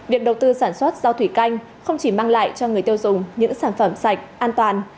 việc đầu tư sản xuất rau thủy canh không chỉ mang lại cho người tiêu dùng những sản phẩm sạch an toàn